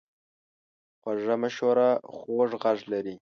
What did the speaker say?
خوږه مشوره خوږ غږ لري.